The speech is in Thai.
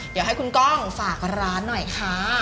เดี๋ยวให้คุณก้องฝากร้านหน่อยค่ะ